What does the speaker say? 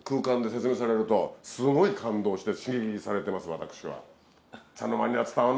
私は。